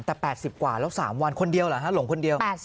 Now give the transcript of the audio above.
แต่๘๐กว่าแล้ว๓วันคนเดียวเหรอฮะหลงคนเดียว